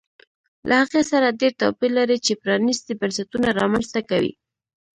له هغې سره ډېر توپیر لري چې پرانیستي بنسټونه رامنځته کوي